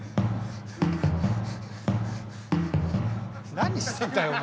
何してんだよお前。